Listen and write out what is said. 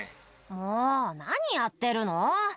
「もう何やってるの」